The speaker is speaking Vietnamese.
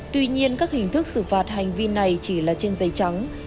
tuy nhiên các hình thức xử phạt hành vi này chỉ là trên giấy trắng